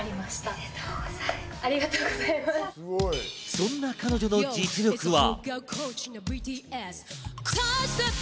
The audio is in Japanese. そんな彼女の実力は。